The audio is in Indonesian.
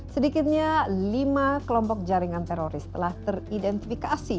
sedikitnya lima kelompok jaringan teroris telah teridentifikasi